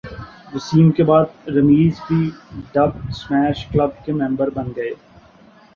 وسیم کے بعد رمیز بھی ڈب اسمیش کلب کے ممبر بن گئے